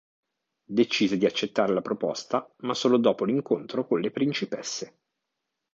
Decise di accettare la proposta, ma solo dopo l'incontro con le principesse.